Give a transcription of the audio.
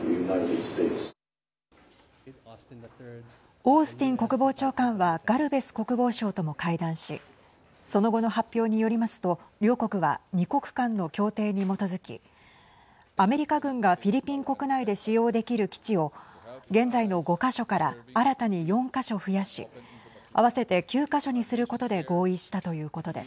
オースティン国防長官はガルベス国防相とも会談しその後の発表によりますと両国は２国間の協定に基づきアメリカ軍がフィリピン国内で使用できる基地を現在の５か所から新たに４か所増やし合わせて９か所にすることで合意したということです。